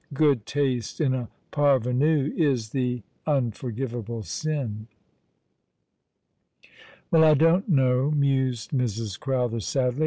Good taste in a parvenu is the unfor givable sin." " Well, I don't know," mused Mrs. Crowther, sadly.